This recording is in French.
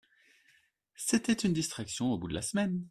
C'était une distraction au bout de la semaine.